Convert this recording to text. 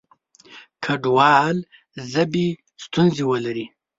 کډوال ژبې ستونزې ولري.